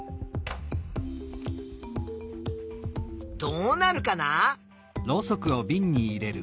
どうなるかな？